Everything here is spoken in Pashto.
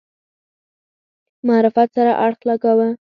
معرفت سره اړخ لګاوه.